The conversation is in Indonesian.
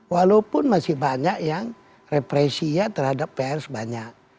walaupun masih banyak yang represi ya terhadap pers banyak